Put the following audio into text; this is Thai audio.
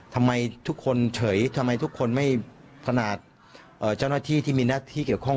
ทำไมทุกคนเฉยทำไมทุกคนไม่ขนาดเจ้าหน้าที่ที่มีหน้าที่เกี่ยวข้อง